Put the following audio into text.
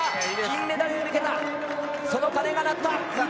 金メダルへ向けたその金が鳴った！